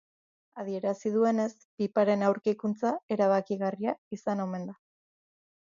Adierazi duenez, piparen aurkikuntza erabakigarria izan omen da.